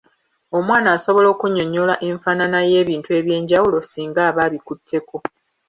Omwana asobola okunnyonnyola enfaanana y'ebintu eby’enjawulo singa aba abikutteko.